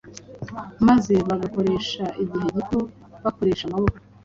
maze bagakoresha igihe gito bakoresha amaboko